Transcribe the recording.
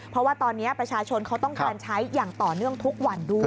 เพราะว่าตอนนี้ประชาชนเขาต้องการใช้อย่างต่อเนื่องทุกวันด้วย